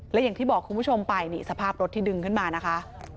และอย่างที่บอกคุณผู้ชมไปนี่สภาพรถที่ดึงขึ้นมานะคะ